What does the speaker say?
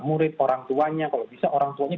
murid orang tuanya kalau bisa orang tuanya